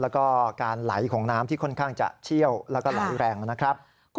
แล้วก็การไหลของน้ำที่ค่อนข้างจะเชี่ยวแล้วก็ไหลแรงนะครับ